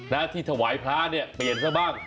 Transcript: แล้วที่ถวายพระเนี่ยเปลี่ยนเสียบ้าง